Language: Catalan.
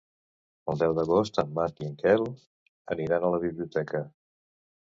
El deu d'agost en Marc i en Quel aniran a la biblioteca.